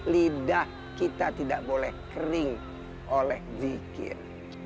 lidah kita tidak boleh kering oleh zikir